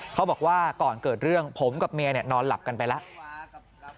เขาบอกว่าก่อนเกิดเรื่องผมกับเมียนอนหลับกันไปแล้ว